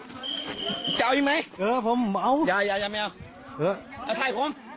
รู้เขาอีกไหมเออผมไม่เอาอย่าอย่าไม่เอาหือมาที่ผม